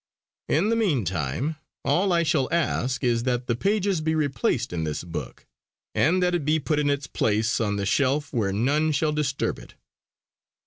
In the meantime, all I shall ask is that the pages be replaced in this book and that it be put in its place on the shelf where none shall disturb it."